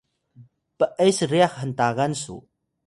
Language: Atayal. p’es ryax hntagan su!